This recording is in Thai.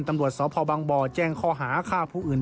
ตำรวจสพบแจ้งข้อหาข้าวผู้อื่น